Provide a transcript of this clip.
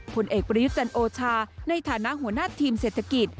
ผลเอกประยุทธ์จันโอชาในฐานะหัวหน้าทีมเศรษฐกิจ